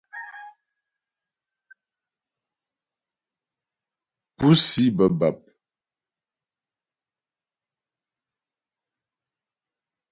Púsi bə́ bap.